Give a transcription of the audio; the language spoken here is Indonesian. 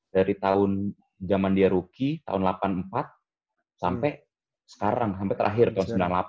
dari tahun zaman dia rookie tahun delapan puluh empat sampai sekarang sampai terakhir tahun sembilan puluh delapan